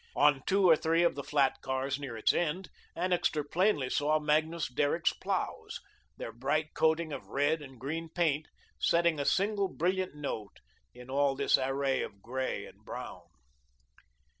On two or three of the flat cars near its end, Annixter plainly saw Magnus Derrick's ploughs, their bright coating of red and green paint setting a single brilliant note in all this array of grey and brown.